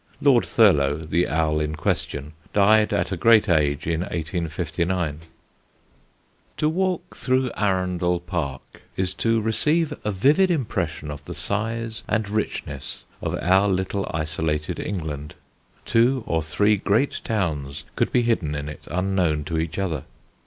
Lord Thurlow, the owl in question, died at a great age in 1859. [Illustration: The Arun at North Stoke.] [Sidenote: ARUNDEL PARK] To walk through Arundel Park is to receive a vivid impression of the size and richness of our little isolated England. Two or three great towns could be hidden in it unknown to each other.